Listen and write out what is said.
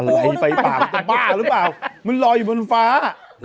อะไรไฟป่ามันเป็นป่าหรือเปล่ามันลอยอยู่บนฟ้า